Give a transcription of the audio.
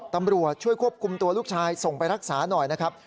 ตำรวจช่วยควบคุมตัวลูกชายส่งไปรักษาหน่อยนะครับ